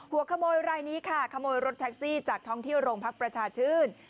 หัวขโมยรายนี้ค่ะขโมยรถแท็กซี่จากท้องที่โรงพักประชาชื่น